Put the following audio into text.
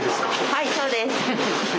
はいそうです。